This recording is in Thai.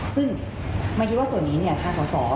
ซึ่งมันคิดว่าส่วนนี้ทางสอสอ